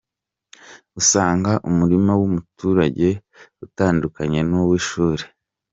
ugasanga umurima w’umuturage utandukanye n’uw’ishuri.